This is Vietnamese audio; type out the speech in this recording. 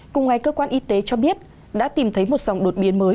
cùng ngày cơ quan y tế cho biết đã tìm thấy một dòng đột biến mới